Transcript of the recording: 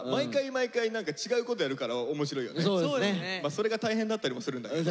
それが大変だったりもするんだけど。